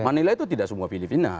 manila itu tidak semua filipina